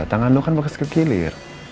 tangan lo kan bakal sekilir